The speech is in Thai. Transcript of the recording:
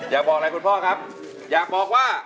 อยากบอกอะไรคุณพ่อครับอยากบอกว่า